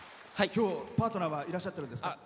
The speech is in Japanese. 今日、パートナーはいらっしゃってるんですか？